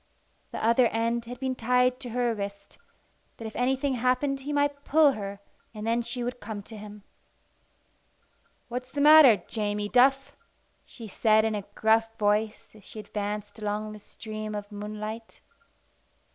The other end had been tied to her wrist, that if anything happened he might pull her, and then she would come to him. "What's the matter, Jamie Duff?" she said in a gruff voice as she advanced along the stream of moonlight.